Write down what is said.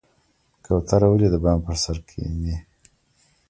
کوتره ولې د بام پر سر کیني؟